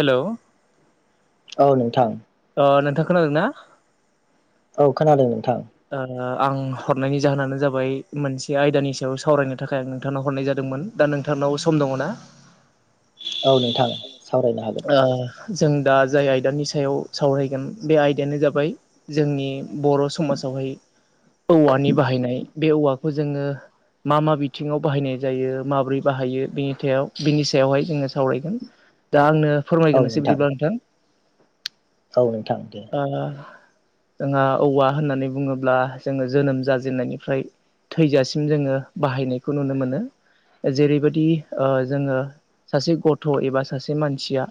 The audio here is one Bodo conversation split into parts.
हेलौ औ नोंथां। अ नोंथां खोनादों ना? औ खोनादों नोंथां। आं हरनायनि जाहोनानो जाबाय मोनसे आयदानि सायाव सावरायनो थाखाय आं नोंथांनाव हरनाय जादोंमोन। दा नोंथांनाव सम दङ ना? औ नोंथां सावरायनो हागोन। जों दा जाय आयदानि सायाव सावरायगोन बे आयदायानो जाबाय जोंनि बर' समाजावहाय औवानि बाहायनाय बे औवाखौ जोङो मा मा बिथिङाव बाहायनाय जायो माबोरै बाहायो बेनि बिनि सायावहाय जोङो सावरायगोन। दा आंनो फोरमायगोरनोसै बिदिब्ला नोंथां। औ नोंथां दे। जोंहा औवा होननानै बुङोब्ला जोङो जोनोम जाजेननायनिफ्राय थैजासिम जोङो बाहायनायखौ नुनो मोनो। जेरैबायदि जोङो सासे गथ' एबा सा सासे मानसिया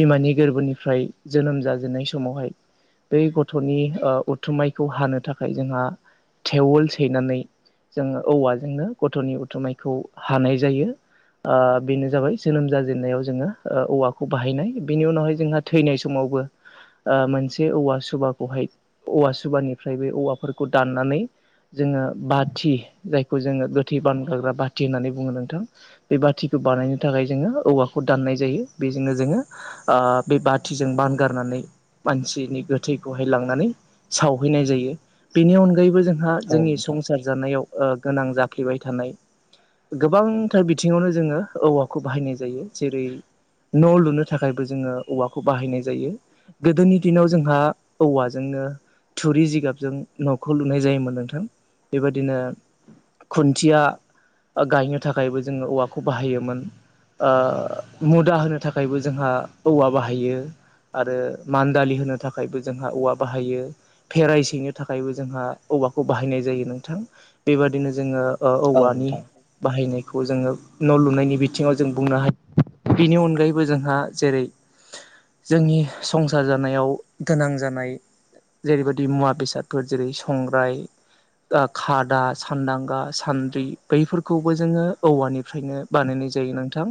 बिमानि गोरबोनिफ्राय जोनोम जाजेननाय समावहाय बै गथ'नि उथुमायखौ हानो थाखाय जोंहा थेवोल सैनानै जों औवाजोंनो गथ'नि उथुमायखौ हानाय जायो। ओ बेनो जाबाय जोनोम जाजेनन्नायाव जोङो औवाखौ बाहायनाय बिनि उनावहाय जोंहा थैनाय समावबो मोनसे औवा सुबाखौहाय औवा सुबानिफ्राय बे औवाफोरखौ दाननानै जोङो बाथि जायखौ जोङो गोथै बानगाग्रा बाथि होननानै बुङो नोंथां बे बाथिखौ बानायनो थाखाय जोङो औवाखौ दाननाय जायो बेजोंनो जोङो बे बाथिजों बानगारनानै मानसिनि गोथैखौहाय लांनानै सावहैनाय जायो बेनि अनगायैबो जों जोंहा औ जोंनि नोंथां संसार जानायाव गोनां जाफ्लेबाय थानाय गोबांथार बिथिङावनो जोङो औवाखौ बाहायनाय जायो जेरै न' लुनो थाखायबो जोङो औवाखौ बाहायनाय जायो गोदोनि दिनाव जोंहा औवाजोंनो थुरि जिगाबजों न'खौ लुनाय जायोमोन नोंथां बेबादिनो खुन्थिया गायनो थाखायबो जोङो औवाखौ बाहायोमोन मुदा होनो थाखायबो जोंहा औवा बाहायो आरो मान दालि होनो थाखायबो जोंहा औवा बाहायो भेराय सैनो थाखायबो जोंहा औवाखौ बाहायनाय जायो नोंथां बेबादिनो जोङो औ औवानि नोंथां बाहायनायखौ जोङो न' लुनायनि बिथिङाव जों बुंनो हायो बिनि अनगायैबो जोंहा जेरै जोंनि संसार जानायाव गोनां जानाय जेरैबायदि मुवा बेसादफोर जेरै संग्राय खादा सानदांगा सान्द्रि बैफोरखौबो जोङो औवानिफ्रायनो बानायनाय जायो नोंथां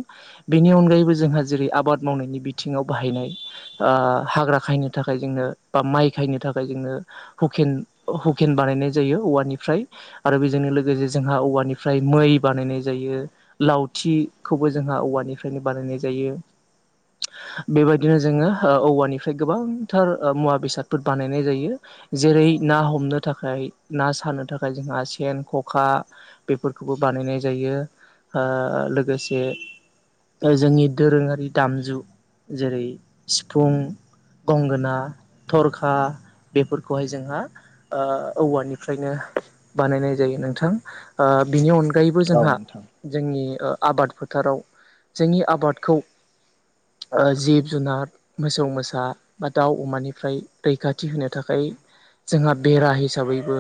बेनि अनगायैबो जोंहा जेरै आबाद मावनायनि बिथिङाव बाहायनाय हाग्रा खायनो थाखाय जोंनो बा माइ खायनो थाखाय जोंनो हुकेन हुकेन बानायनाय जायो औवानिफ्राय आरो बेजोंनो लोगोसे जोंहा औवानिफ्राय मै बानायनाय जायो लावथिखौबो जोंहा औवानिफ्रायनो बानायनाय जायो बेबायदिनो जोङो औवानिफ्राय गोबांथार मुवा बेसादफोर बानायनाय जायो जेरै ना हमनो थाखाय ना सानो थाखाय जोंहा सेन ख'खा बेफोरखौबो बानायनाय जायो लोगोसे जोंनि दोरोङारि दामजु जेरै सिफुं गंगोना थरखा बेफोरखौहाय जोंहा ओ औवानिफ्रायनो बानायनाय जायो नोंथां बिनि अनग फगायबो औ जोंहा नोंथां जोंनि आबाद फोथाराव जोंनि आबादखौ जिब जुनार मोसौ मोसा बा दाउ अमानिफ्राय रैखाथि होनो थाखाय जोंहा बेरा हिसाबैबो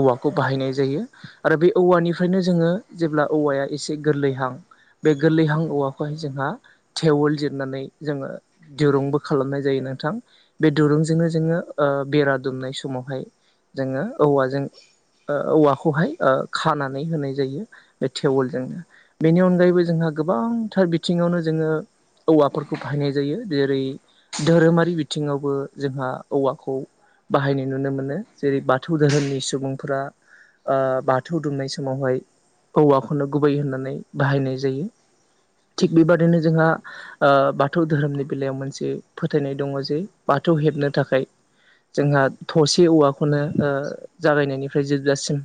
औवाखौ बाहायनाय जायो आरो बे औवानिफ्रायनो जोङो जेब्ला औवाया एसे गोरलैहां बे गोरलैहां औवाखौ खौहाय जोंहा थेवोल जिरनानै जोङो दिरुंबो खालामनाय जायो नोंथां बे दिरुंजोंनो जोङो बेरा दुमनाय समावहाय जोङो औवाजों औवाखौहाय खानानै होनाय जायो बे टेवलजोंनो बेनि अनगायैबो जोंहा गोबांथार बिथिङावनो जोङो औवाफोरखौ बाहायनाय जायो जेरै धोरोमारि बिथिङावबो जोंहा औवाखौ बाहायनाय नुनो मोनो जेरै बाथौ दोोरोमनि सुबुंफोरा ओ बाथौ दुमनाय समावहाय औवाखौनो गुबै होननानै बाहायनाय जायो थिग बेबादिनो जोंहा बाथौ धोरोमनि बेलायाव मोनसे फोथायनाय दङ जे बाथौ हेबनो थाखाय जोंहा थसे औवाखौनो जागायनायनि जोबजासिम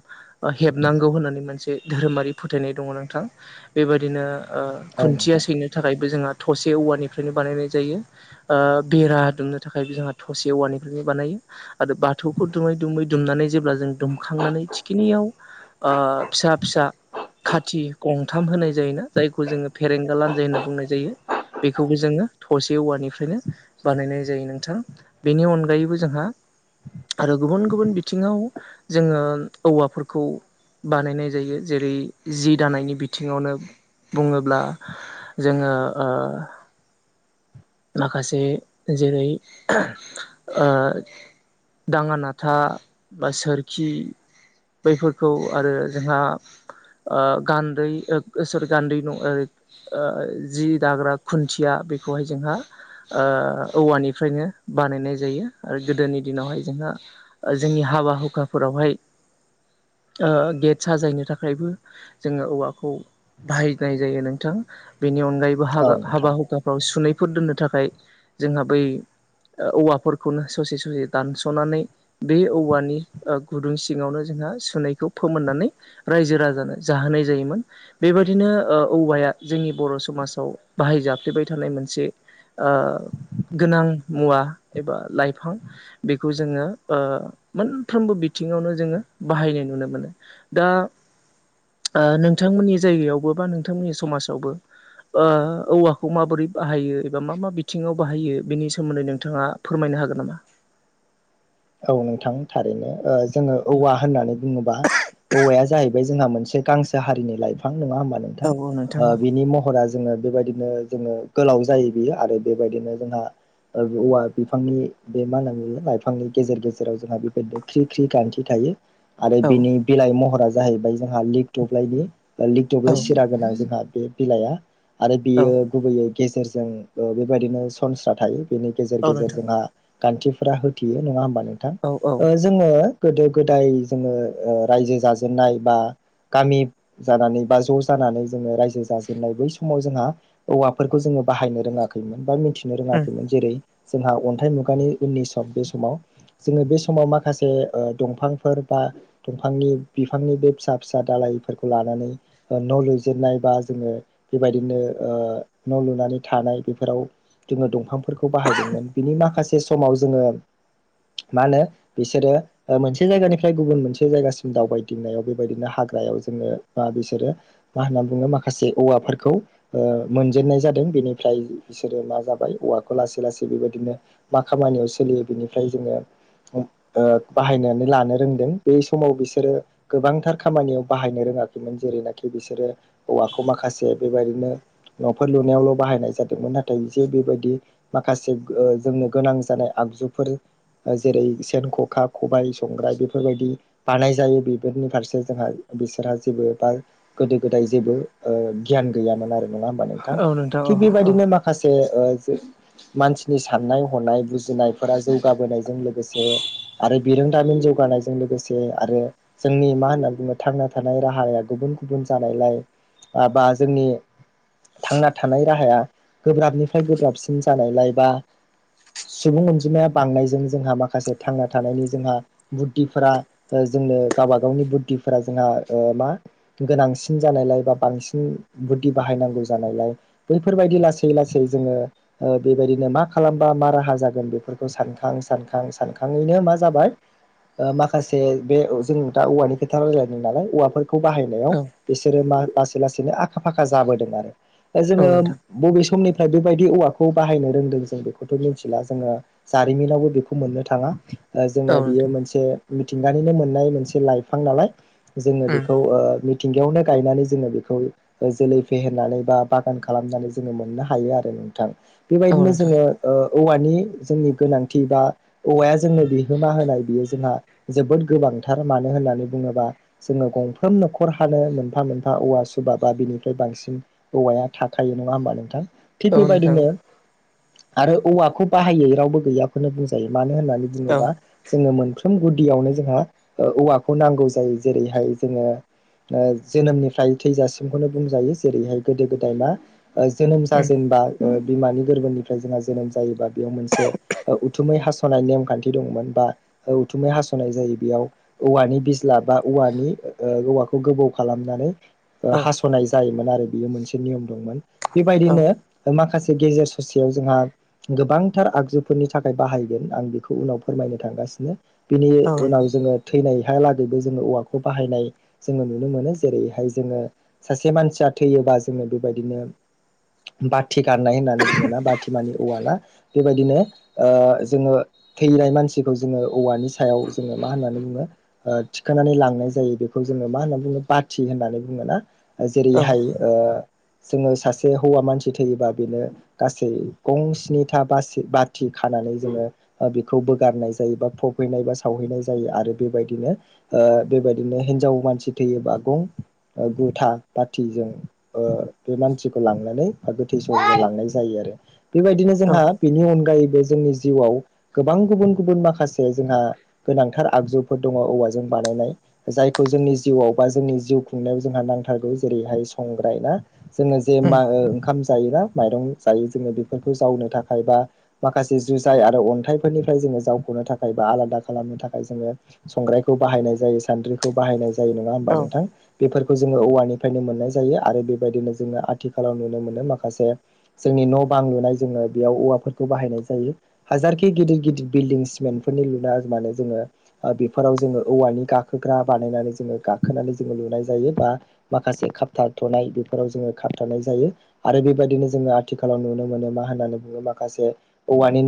हेबनांगौ होननानै मोनसे धोरोमारि फोथायनाय दङ नोंथां बेबायदिनो औ खुन्थिया नोंथां सैनो थाखायबो जोंहा थसे औवानिफ्रायनो बानायनाय जायो बेरा दुमनो थाखाय जोंहा थसे औवानिफ्रायनो बानायो आरो बाथौखौ दुमै दुमै दुमनानै जेब्ला जों दुमखांनानै थिखिनियाव फिसा फिसा खाथि गंथाम होनाय जायोना जायखौ जोङो फेरेंगा लान्जाय होनना बुंनाय जायो बेखौबो जोङो थसे औवानिफ्रायनो। बानायनाय जायो नोंथां बेनि अनगायैबो जोंहा। आरो गुबुन गुबुन बिथिङाव जोङो औवाफोरखौ। बानायनाय जायो जेरै जि दानायनि बिथिङावनो बुङो ब्ला जोङो ओ माखासे जेरै ओ दाङानाथा बा सोरखि बैफोरखौ आरो जोंहा आ गान्दै ओ सोर गान्दै न ओ ओ जि दाग्रा खुन्थिया बेखौहाय जोंहा ओ औवानिफ्रायनो बानायनाय जायो आरो गोदोनि दिनावहाय जोंहा जोंनि हाबा हुखाफोरावहाय ओ गेट साजायनो थाखायबो जोङो औवाखौ बाहायनाय जायो नोंथां बेनि अनगायैबो हाबा औ नोंथां हाबाहुखाफ्राव सुनै फोर दोननो थाखाय जोंहा बै औवाफोरखौनो ससे ससे दानस'नानै बे औवानि ओ गुदुं सिङावनो जोंहा सुननायखौ फोमोननानै रायजो राजानो जाहोनाय जायोमोन बेबायदिनो ओ औवाया जोंनि बर' समाजाव बाहायजफ्लेबाय थानाय मोनसे ओ गोनां मुवा एबा लाइफां बेखौ जोङो ओ मोनफ्रोमबो बिथिङावनो जोङो बाहायनाय नुनो मोनो दा नोंथांमोननि जायगायावबो बा नोंथांमोननि समाजावबो ओ औवाखौ माबोरै बाहायो बा मा मा बिथिङाव बाहायो बेनि सोमोन्दै नोंथाङा फोरमायनो हागोन नामा औ नोंथां थारैनो जोङो औवा होननानै बुङोबा औवाया जाहैबाय जोंहा मोनसे गांसो हारिनि लाइफां नङा होमबा नोंथां औ औ नोंथां औ ओ बेनि महरा जोङो बेबायदिनो जोङो गोलाव जायो बियो आरो बेबायदिनो जोंहा ओ औवा बिफांनि बे मा होनना नुयो लाइफांनि गेजेर गेजेराव जोंहा बेबायदि ख्रि ख्रि गान्थि थायो आरो बिनि बिलाइ महरा जाहैबाय जोंहा लिग दब्लाइनि बा लिग औ दब्लाय सिरा गोनां जोंहा बे बिलाइआ आरो औ बियो गुबैयै गेजेरजों ओ बेबायदिनो सनस्रा थायो बेनि गेजेर औ गेजेर नोंथां जोंहा गान्थिफोरा होथेयो नङा होमबा नोंथां औ औ ओ जोङो गोदो गोदाय जोङो ओ रायजो जाजेननाय बा गामि जानानै बा ज' जानानै जोङो रायजो जाजेननाय बै समाव जोंहा औवाफोरखौ जोङो बाहायनो रोङाखैमोन बा मिथि उम रोङाखैमोन जेरै जोंहा अन्थाइ मुगानि उननि सम बे समाव जोङो बे समाव माखासे ओ दंफांफोर बा दंफांनि बिफांनि बे फिसा फिसा दालायफोरखौ लानानै न' लुजेननाय बा जोङो बेबायदिनो ओ न' लुनानै थानाय बेफोराव जोङो दंफांफोरखौ बाहायदोंमोन बिनि माखासे समाव जोङो मा होनो बिसोरो ओ मोनसे जायगानिफ्राय गुबुन मोनसे जायगासिम दावबायदिंनायाव बेबायदिनो हाग्रायाव जोङो बा बिसोरो मा होनना बुङो माखासे औवाफोरखौ ओ मोनजेननाय जादों बेनिफ्राय बिसोरो मा जाबाय औवाखौ लासै लासै बेबायदिनो मा खामानियाव सोलियो बिनिफ्राय जोङो अम ओ बाहायनानै लानो रोंदों बे समाव बिसोरो गोबांथार खामानियाव बाहायनो रोङाखैमोन जेरैनाखि बिसोरो औवाखौ माखासे बेबायदिनो न'फोर लुनायावल' बाहायनाय जादोंमोन नाथाय जे बेबायदि माखासे ओ जोंनो गोनां जानाय आगजु फोर ओ जेरै सेन ख'खा खबाय संग्राय बेफोरबायदि बानाय जायो बेफोरनि फारसे जोंहा बिसोरहा जेबो बाय गोदो गोदाय जेबो ओ गियान गैयामोन आरो नङा होमबा नोंथां औ औ थिग औ बेबायदिनो मा खासे ओ जे मानसिनि साननाय हनाय बुजिनाय फोरा जौगाबोनायजों लोगोसे आरो बिरोंदामिन जौगानायजों लोगोसे आरो जोंनि मा होनना बुङो थांना थानाय राहाया गुबुन गुबुन जानायलाय। बा बा जोंनि थांना थानाय राहाया गोब्राबनिफ्राय गोब्राबसिन जानायलाय बा सुबुं अनजिमाया बांनायजों जोंहा माखासे थांना थानायनि जोंहा बुद्धिफोरा ओ जोंनो गावबा गावनि बुद्धिफोरा जोंहा ओ मा गोनांसिन जानायलाय बा बांसिन बुद्धि बाहायनांगौ जानायलाय बैफोरबायदि लासै लासै जोङो ओ बेबायदिनो मा खालामबा मा राहा जागोन बेफोर बेखौ सानखां सानखां सानखाङैनो मा जाबाय ओ माखासे बे जों दा औवानि खोथा रायलायदों नालाय औवाफोर खौ बाहायनायाव औ बिसोरो लासै लासैनो आखा फाखा जाबोदों आरो दा औ जोङो नोंथां बबे समनिफ्राय बेबायदि औवाखौ बाहायनो रोंदों जों बेखौथ' मिथिला जोङो जारिमिनावबो बेखौ मोननो थाङा जोङो औ बियो नोंथां मोनसे मिथिंगानिनो मोननाय मोनसे लाइफां नालाय जोङो उम बेखौ ओ मिथिंगायावनो गायनानै जोङो बेखौ जोलै फेहेरनानै बा बागान खालामनानै जोङो मोननो हायो आरो नोंथां। औ बेबायदिनो नोंथां जोङो ओ औवानि जोंनि गोनांथि बा औवाया जोंनो बिहोमा होनाय बियो जोंहा जोबोद गोबांथार मानो होननानै बुङोबा जोङो गंफ्रोम न'खर हानो मोनफा मोनफा औवा सुबा बा बिनिफ्राय बांसिन औवाया थाखायो नङा होमबा नोंथां। थिग औ नोंथां बेबायदिनो आरो औवाखौ बाहायै रावबो गैयाखौनो बुंजायो मानो होननानै औ दिनोबा जोङो मोनफ्रोम गुदियावनो जोंहा औवाखौ नांगौ जायो जेरैहाय जोङो ओ जोनोमनिफ्राय थैजासिमखौनो बुंजायो जेरैहाय गोदो गोदाय मा ओ जोनोमजा उम जेनबा ओ बिमानि गोरबोनिफ्राय जोंहा जोनोम जायोबा बेयाव मोनसे उथुमै हासनाय नेमखान्थि दंमोन बा उथुमै हासनाय जायो बेयाव औवानि बिज्ला बा औवानि ओ औवाखौ गोबौ खालामनानै औ हासनाय जायोमोन आरो बियो मोनसे नियम दंमोन बेबायदिनो माखासे गेजेर ससेयाव जोंहा गोबांथार आगजु फोरनि थाखाय बाहायगोन आं बेखौ उनाव फोरमायनो थांगासिनो बिनि उनाव जोङो थैनायहालागैबो जोङो औवाखौ बाहायनाय जोङो नुनो मोनो जेरैहाय जोङो सासे मानसिया थैयोबा जोंनो बेबायदिनो बाथि गारनाय होननानै बुङोना बाथिमानि औवाना बेबायदिनो ओ जोङो थैनाय मानसिखौ जोङो औवानि सायाव जोङो मा होननानै बुङो ओ थिखांनानै लांनाय जायो बेखौ जोङो मा होनना बुङो बाथि होननानै बुङोना नोंथां औ जेरैहाय ओ जोङो सासे हौवा मानसि थैयोबा बेनो गासै गं स्निथा बासि बा बाथि खानानै जोङो बेखौ बोगारनाय जायो बा फबहैनाय बा सावहैनाय जायो आरो बेबायदिनो ओ बेबायदिनो हिनजाव मानसि थैयोबा गं गुथा बाथिजों ओ बे मानसिखौ लांनानै बा गोथै सह लांनाय जायो आरो। बेबायदिनो औ जोंहा उम बेनि अनगायैबो जोंनि जिउआव गोबां गुबुन गुबुन माखासे जोंहा गोनांथार आगजुफोर दङ औवाजों बानायनाय जायखौ जोंनि जिउआव बा जोंनि जिउ खुंनायाव जोंहा नांथारगौ जेरैहाय संग्राय ना जोङो जे मा ओंखाम जायोना माइरं जायो जोङो बेफोरखौ जावनो थाखाय बा माखासे जुजाय आरो अन्थाइफोरनिफ्राय जोङो जावखनो थाखाय बा आलादा खालामनो थाखाय जोङो संग्रायखौ बाहायनाय जायो सान्द्रिखौ बाहायनाय जायो नङा होमबा औ नोंथां। बेफोरखौ जोङो औवानिफ्रायनो मोननाय जायो आरो बेबायदिनो जोङो आथिखालाव नुनो मोनो माखासे जोंनि न बां लुनाय जोङो बेयाव औवाफोर खौ बाहायनाय जायो हाजारखि गिदिर गिदिर बिल्डिं सिमेन्टफोरनि लुना माने जोङो आ बेफोराव जोङो औवानि गाखोग्रा बानायनानै जोङो गाखोनानै जोङो लुनाय जायो बा माखासे खाबथनाय बेफोराव जोङो खाबथानाय जायो आरो बेबायदिनो जोङो आथिखालाव नुनो मोनो मा होननानै बुङो माखासे औवानिनो